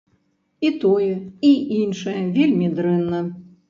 І тое, і іншае вельмі дрэнна.